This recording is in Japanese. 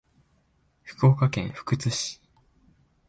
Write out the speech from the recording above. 福岡県福津市